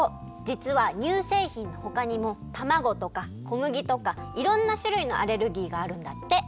じつは乳せいひんのほかにもたまごとかこむぎとかいろんなしゅるいのアレルギーがあるんだって。